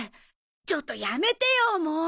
ちょっとやめてよもう！